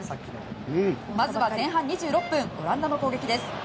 まずは前半２６分オランダの攻撃です。